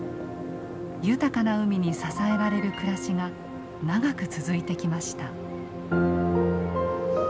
豊かな海に支えられる暮らしが長く続いてきました。